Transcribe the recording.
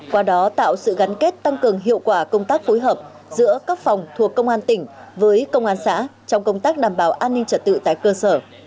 qua đó tạo sự gắn kết tăng cường hiệu quả công tác phối hợp giữa các phòng thuộc công an tỉnh với công an xã trong công tác đảm bảo an ninh trật tự tại cơ sở